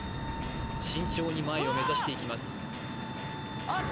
慎重に前を目指していきます